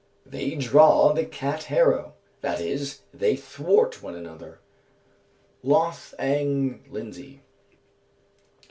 _ "They draw the Cat Harrow" that is, they thwart one another. Loth. Ang., LYNDSEY.